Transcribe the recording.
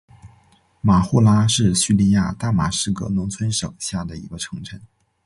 马卢拉是叙利亚大马士革农村省下的一个城镇。